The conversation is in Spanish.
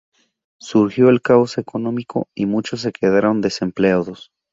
Surgió el caos económico y muchos se quedaron desempleados.